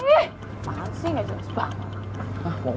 ih pansi gak jelas banget